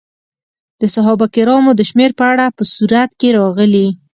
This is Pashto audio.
د صحابه کرامو د شمېر په اړه په سورت کې راغلي.